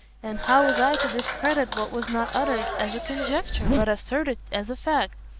And how was I to discredit what was not uttered as a conjecture, but asserted as a fact?